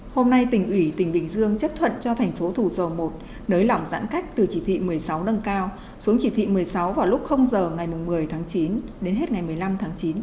hôm nay tỉnh ủy tỉnh bình dương chấp thuận cho thành phố thủ dầu một nới lỏng giãn cách từ chỉ thị một mươi sáu nâng cao xuống chỉ thị một mươi sáu vào lúc giờ ngày một mươi tháng chín đến hết ngày một mươi năm tháng chín